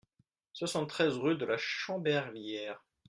soixante-treize rue de la Chamberlière